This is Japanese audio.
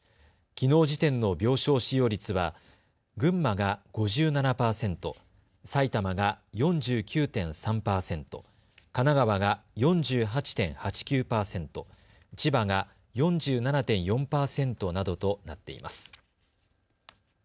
きのう時点の病床使用率は群馬が５７％、埼玉が４９．３％、神奈川が４８．８９％、千葉が４７．４％などとなっています。